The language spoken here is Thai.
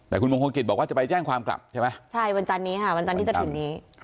แต่คุณมงคลกิจบอกว่าจะไปแจ้งความกลับใช่ไหม